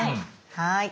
はい。